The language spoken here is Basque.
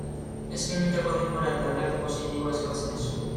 Eskainitako denbora eta aldarte positiboa eskertzen dizuet.